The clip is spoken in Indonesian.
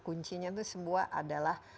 kuncinya itu semua adalah